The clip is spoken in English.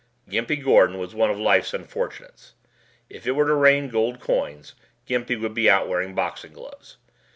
Gimpy Gordon was one of Life's Unfortunates. If it were to rain gold coins, Gimpy would be out wearing boxing gloves.